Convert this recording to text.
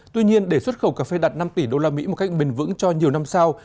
tuy nhiên để xuất khẩu cà phê đặt năm tỷ usd một cách bền vững cho nhiều năm sau